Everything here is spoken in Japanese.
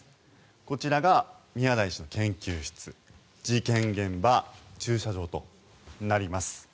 こちらが宮台氏の研究室事件現場、駐車場となります。